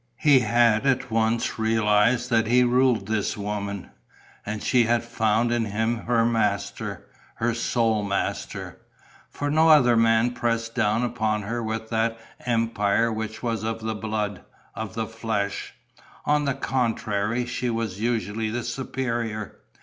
He had at once realized that he ruled this woman. And she had found in him her master, her sole master. For no other man pressed down upon her with that empire which was of the blood, of the flesh. On the contrary, she was usually the superior.